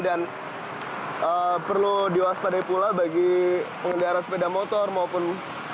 perlu diwaspadai pula bagi pengendara sepeda motor maupun